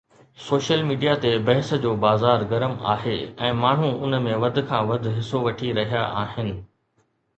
Social media تي بحث جو بازار گرم آهي ۽ ماڻهو ان ۾ وڌ کان وڌ حصو وٺي رهيا آهن.